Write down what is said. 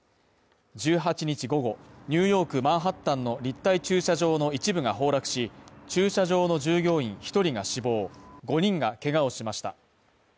１８日午後、ニューヨークマンハッタンの立体駐車場の一部が崩落し、駐車場の従業員１人が死亡、５人がけがをしました。